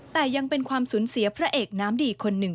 แต่ยังเป็นความสูญเสียพระเอกน้ำดีคนหนึ่ง